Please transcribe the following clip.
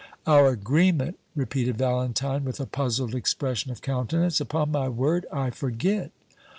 "Our agreement!" repeated Valentine, with a puzzled expression of countenance. "Upon my word, I forget."